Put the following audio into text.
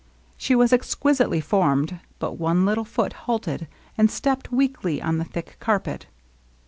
She was exquisitely formed, but one little foot halted and stepped weakly on the thick carpet.